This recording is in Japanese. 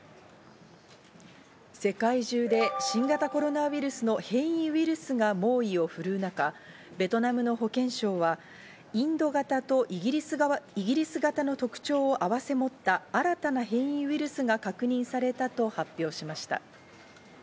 世界中で新型コロナウイルスの変異ウイルスが猛威を振るう中、ベトナムの保健省は、インド型とイギリス型の特徴を併せ持った新たな変異ウイルスが確認されたと発表しました。